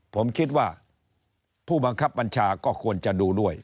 ผมคิดว่าผู้บังคับบัญชาก็ควรจะดูด้วย